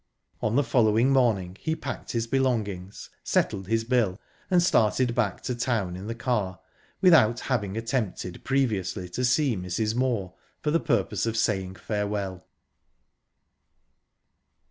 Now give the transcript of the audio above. On the following morning he packed his belongings, settled his bill, and started back to town in the car, without having attempted previously to see Mrs. Moor for the purpose of saying farewell.